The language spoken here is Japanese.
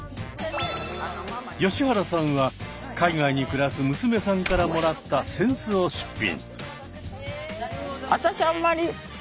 吉原さんは海外に暮らす娘さんからもらった扇子を出品。